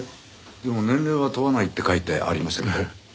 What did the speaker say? でも年齢は問わないって書いてありましたけど？